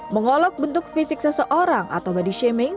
mengolok bentuk fisik seseorang atau body shaming